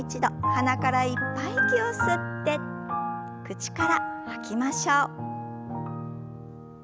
鼻からいっぱい息を吸って口から吐きましょう。